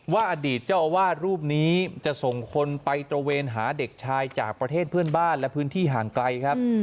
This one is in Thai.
อดีตเจ้าอาวาสรูปนี้จะส่งคนไปตระเวนหาเด็กชายจากประเทศเพื่อนบ้านและพื้นที่ห่างไกลครับ